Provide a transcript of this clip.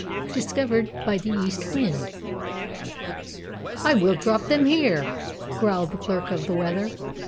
DISCOVERED BY THE EAST WIND "I will drop them here!" growled the Clerk of the Weather.